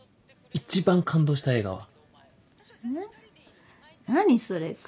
一番感動した映画は？